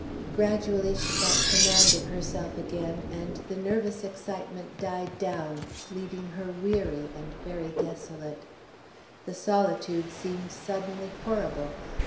Gradually she got command of herself again and the nervous excitement died down, leaving her weary and very desolate. The solitude seemed suddenly horrible.